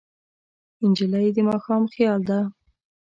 نجلۍ د ماښام خیال ده.